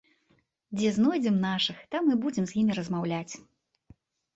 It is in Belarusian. Дзе знойдзем нашых, там і будзем з імі размаўляць!